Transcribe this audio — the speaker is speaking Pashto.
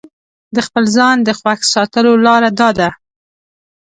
د خپل ځان د خوښ ساتلو لاره داده.